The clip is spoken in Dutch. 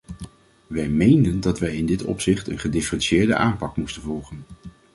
Wij meenden dat wij in dit opzicht een gedifferentieerde aanpak moesten volgen.